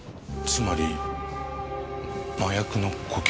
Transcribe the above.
つまり麻薬の顧客？